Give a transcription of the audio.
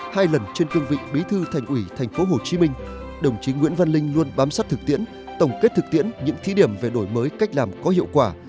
hai lần trên cương vị bí thư thành ủy tp hcm đồng chí nguyễn văn linh luôn bám sát thực tiễn tổng kết thực tiễn những thí điểm về đổi mới cách làm có hiệu quả